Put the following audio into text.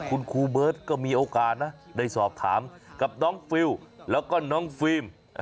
คุณครูเบิร์ตก็มีโอกาสนะได้สอบถามกับน้องฟิลแล้วก็น้องฟิล์ม